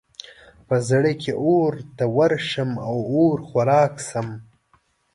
په زړه کې اور ته ورشم او اور خوراک شم.